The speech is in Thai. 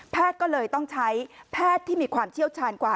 ก็เลยต้องใช้แพทย์ที่มีความเชี่ยวชาญกว่า